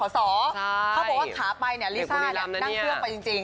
เขาบอกว่าขาไปเนี่ยลิซ่าเนี่ยนั่งเครื่องไปจริง